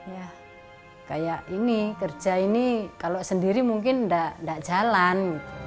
ya kayak ini kerja ini kalau sendiri mungkin tidak jalan